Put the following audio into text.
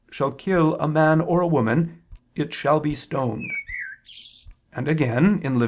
shall kill a man or a woman," it "shall be stoned": and (Lev.